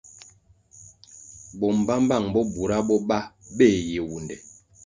Bo mbpambpang bo bura bo ba beh Yewunde.